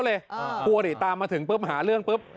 กลัวหนีตามมาถึงปึ๊บหาเรื่องปึ๊บ